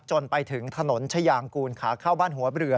จนถึงถนนชายางกูลขาเข้าบ้านหัวเรือ